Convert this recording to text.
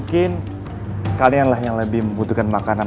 mungkin kalianlah yang lebih membutuhkan makanan ini